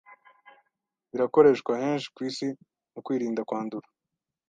birakoreshwa henshi ku isi mu kwirinda kwandura,